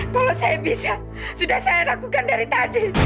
kalau saya bisa sudah saya ragukan dari tadi